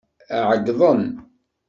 Ɛeggḍen.